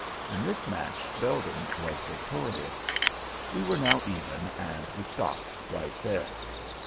In this match Belden was victorious. We were now even, and we stopped right there.